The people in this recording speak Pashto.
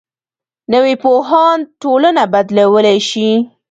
نوی پوهاند ټولنه بدلولی شي